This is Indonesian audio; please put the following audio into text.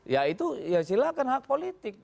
ya itu silahkan hak politik